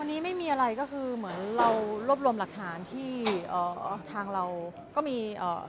อันนี้ไม่มีอะไรก็คือเหมือนเรารวบรวมหลักฐานที่เอ่อทางเราก็มีเอ่อ